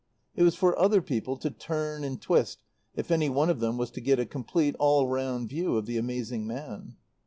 It was for other people to turn and twist if any one of them was to get a complete all round view of the amazing man.